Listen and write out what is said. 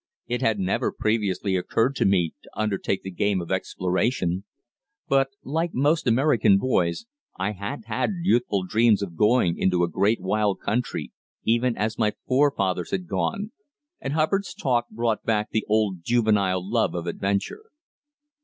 It had never previously occurred to me to undertake the game of exploration; but, like most American boys, I had had youthful dreams of going into a great wild country, even as my forefathers had gone, and Hubbard's talk brought back the old juvenile love of adventure.